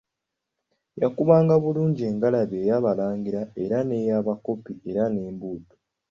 Yakubanga bulungi engalabi ey'abalangira era n'ey'abakopi, n'embuutu.